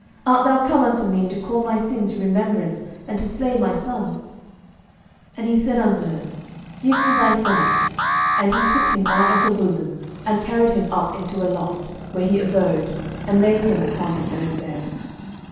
art thou come unto me to call my sin to remembrance, and to slay my son? 11:017:019 And he said unto her, Give me thy son. And he took him out of her bosom, and carried him up into a loft, where he abode, and laid him upon his own bed.